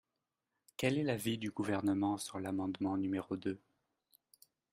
Quel est l’avis du Gouvernement sur l’amendement numéro deux?